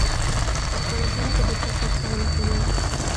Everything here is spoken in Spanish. Desconocemos su fecha exacta de nacimiento.